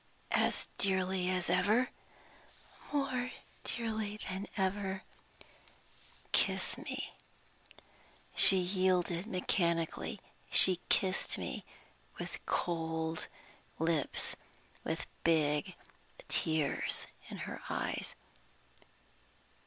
"As dearly as ever?" "More dearly than ever!" "Kiss me!" She yielded mechanically; she kissed me with cold lips, with big tears in her eyes.